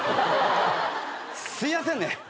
すいやせんね。